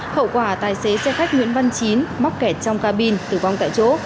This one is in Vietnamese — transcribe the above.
hậu quả tài xế xe khách nguyễn văn chín mắc kẹt trong cabin tử vong tại chỗ